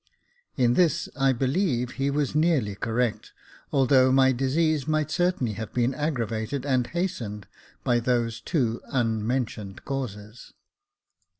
In this, I believe, he was nearly correct, although my disease might certainly have been aggravated and hastened by those two unmentioned causes.